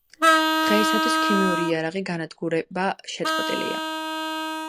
დღეისათვის ქიმიური იარაღი განადგურება შეწყვეტილია.